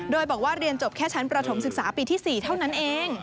โดยบอกว่าเรียนจบแค่ชั้นประถมศึกษาปีที่๔เท่านั้นเอง